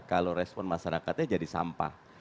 kalau respon masyarakatnya jadi sampah